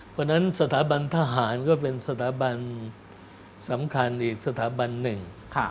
เพราะฉะนั้นสถาบันทหารก็เป็นสถาบันสำคัญอีกสถาบันหนึ่ง